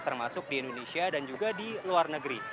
termasuk di indonesia dan juga di luar negeri